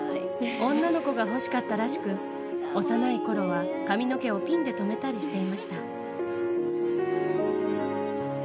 女の子が欲しかったらしく、幼いころは髪の毛をピンで留めたりしていました。